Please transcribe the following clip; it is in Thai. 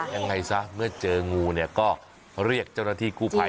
ยังไงซะเมื่อเจองูเนี่ยก็เรียกเจ้าหน้าที่กู้ภัย